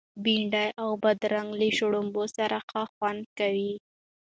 بنډۍ او بادرنګ له شړومبو سره ښه خوند کوي.